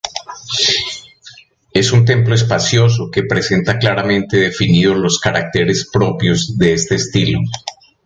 Es un templo espacioso que presenta claramente definidos los caracteres propios de este estilo.